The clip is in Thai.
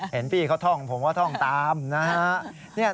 เห็นพี่เขาท่องผมก็ท่องตามนะฮะ